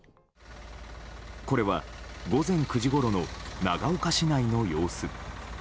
これは、午前９時ごろの長岡市内の様子。